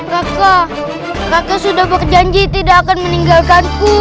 raka raka sudah berjanji tidak akan meninggalkanku